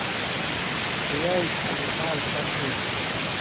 پویائ کھیں مال سم ہوتھی۔